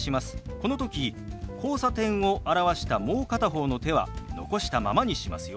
この時「交差点」を表したもう片方の手は残したままにしますよ。